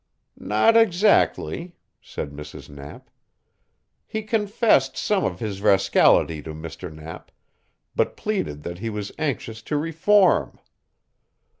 "Not exactly," said Mrs. Knapp. "He confessed some of his rascality to Mr. Knapp, but pleaded that he was anxious to reform.